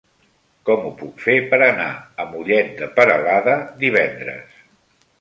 Com ho puc fer per anar a Mollet de Peralada divendres?